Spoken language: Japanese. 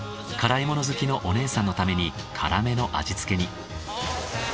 辛いもの好きのお姉さんのために辛めの味付けに。